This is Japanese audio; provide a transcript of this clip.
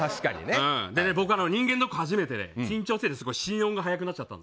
僕、人間ドッグ初めてで緊張してて心音が速くなっちゃったの。